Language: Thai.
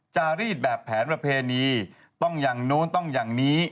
จารีดแบบแผนประเพณีต้องอย่างนู้นต้องอย่างนี้